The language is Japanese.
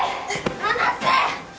離せ！